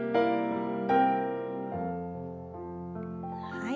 はい。